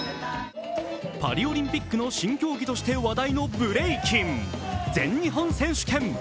パリオリンピックの新競技として話題のブレイキン全日本選手権。